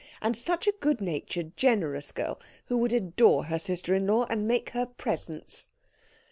And such a good natured, generous girl, who would adore her sister in law and make her presents.